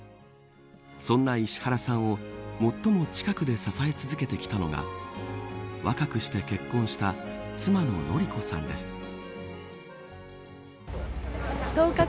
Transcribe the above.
そんな石原さんを最も近くで支え続けてきたのが若くして結婚した妻の典子さんです。